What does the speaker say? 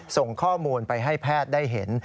ส่งข้อมูลไปให้แพทย์ได้เห็น